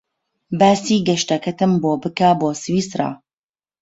باسی گەشتەکەتم بۆ بکە بۆ سویسرا.